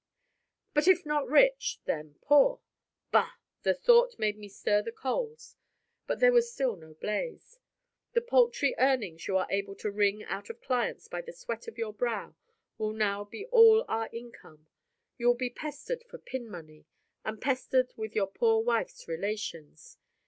But if not rich, then poor. Bah! the thought made me stir the coals; but there was still no blaze. The paltry earnings you are able to wring out of clients by the sweat of your brow will now be all our income; you will be pestered for pin money, and pestered with your poor wife's relations.